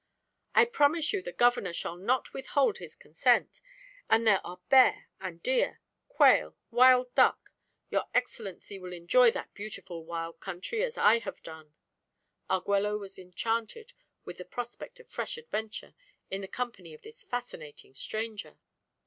"I promise you the Governor shall not withhold his consent and there are bear and deer quail, wild duck your excellency will enjoy that beautiful wild country as I have done." Arguello was enchanted at the prospect of fresh adventure in the company of this fascinating stranger.